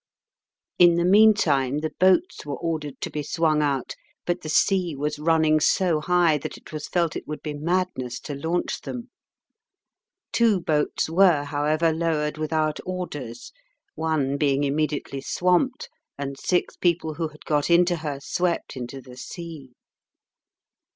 In the meantime the boats were ordered to be swung out, but the sea was running so high that it was felt it would be madness to launch them. Two boats were, however, lowered without orders, one being immediately swamped, and six people who had got into her swept into the sea.